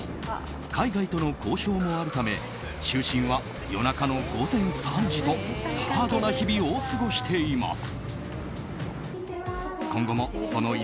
海外との交渉もあるため就寝は夜中の午前３時とハードな日々を過ごしています。